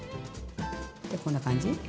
でこんな感じ。